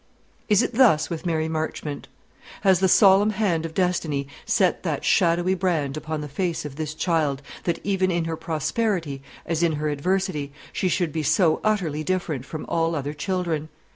Is it thus with Mary Marchmont? Has the solemn hand of Destiny set that shadowy brand upon the face of this child, that even in her prosperity, as in her adversity, she should be so utterly different from all other children?